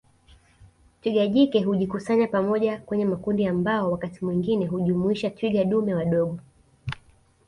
Twiga jike hujikusanya pamoja kwenye makundi ambao wakati mwingine hujumuisha twiga dume wadogo